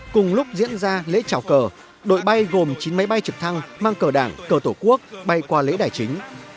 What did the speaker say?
cùng lúc diễn ra lễ trào cờ đội bay gồm chín máy bay trực thăng mang cờ đảng cờ tổ quốc bay qua lễ đài chính